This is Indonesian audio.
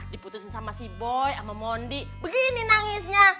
diputusin sama si boy sama mondi begini nangisnya